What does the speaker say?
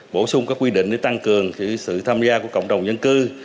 bổ sung các quy định để tăng cường sự tham gia của cộng đồng dân cư